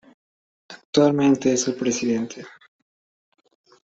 Actualmente es el Pte.